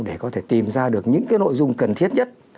để có thể tìm ra được những cái nội dung cần thiết nhất